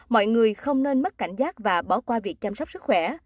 mọi người không nên mất cảnh giác và bỏ qua việc chăm sóc sức khỏe